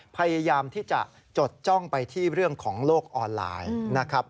พยายามที่จะจดจ้องไปที่เรื่องของโลกออนไลน์นะครับ